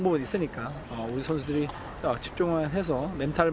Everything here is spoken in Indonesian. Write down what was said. dan kita bisa menang dengan kondisi mental